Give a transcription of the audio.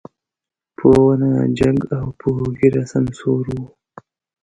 په ونه جګ او په ږيره سمسور و.